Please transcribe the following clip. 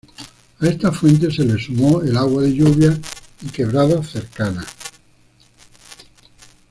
A esta fuente se le sumó el agua de lluvia y quebradas cercanas.